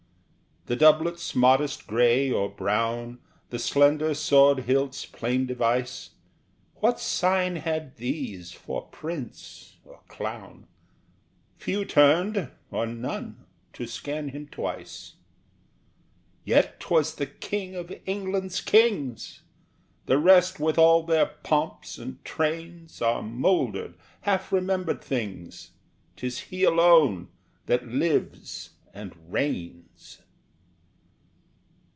The doublet's modest gray or brown, The slender sword hilt's plain device, What sign had these for prince or clown? Few turned, or none, to scan him twice. Yet 'twas the king of England's kings! The rest with all their pomps and trains Are mouldered, half remembered things 'Tis he alone that lives and reigns!